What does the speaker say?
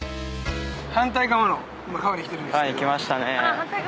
反対側の川に来てるんですけど。